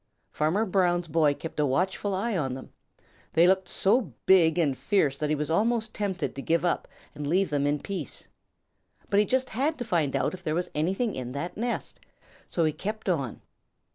Farmer Brown's boy kept a watchful eye on them. They looked so big and fierce that he was almost tempted to give up and leave them in peace. But he just had to find out if there was anything in that nest, so he kept on.